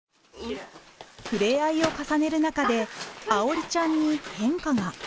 触れ合いを重ねるなかで愛織ちゃんに変化が。